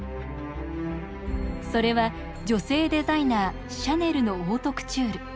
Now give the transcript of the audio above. それは女性デザイナーシャネルのオートクチュール。